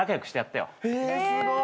えすごい。